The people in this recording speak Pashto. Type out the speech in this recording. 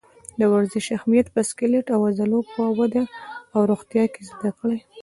د ورزش اهمیت په سکلیټ او عضلو په وده او روغتیا کې زده کړئ.